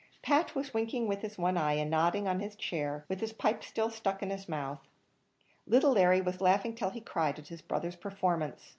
Pat was winking with his one eye, and nodding on his chair, with his pipe still stuck in his mouth. Little Larry was laughing till he cried at his brother's performance.